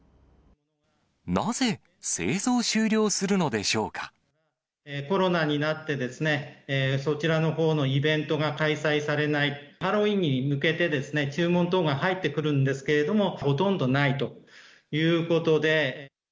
なぜ製造終了するのでしょうコロナになってですね、そちらのほうのイベントが開催されない、ハロウィンに向けて注文等が入ってくるんですけれども、ほとんどないということで。